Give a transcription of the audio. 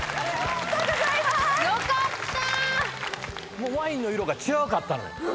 もうワインの色が違うかったのよ。